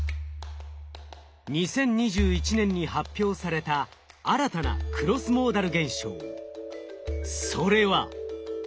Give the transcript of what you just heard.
２０２１年に発表された新たなクロスモーダル現象。